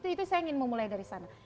itu saya ingin memulai dari sana